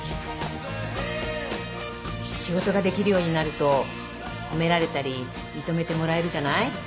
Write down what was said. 仕事ができるようになると褒められたり認めてもらえるじゃない？